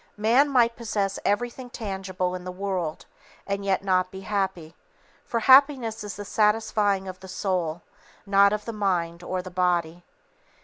Man might possess everything tangible in the world and yet not be happy, for happiness is the satisfying of the soul, not of the mind or the body.